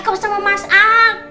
kamu sama mas al